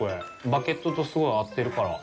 バゲットとすごい合ってるから。